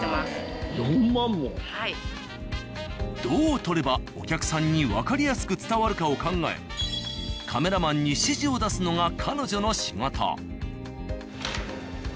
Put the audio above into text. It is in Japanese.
どう撮ればお客さんにわかりやすく伝わるかを考えカメラマンに指示を出すのが彼女の仕事。